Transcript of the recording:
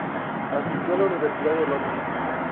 Asistió a la Universidad de Londres.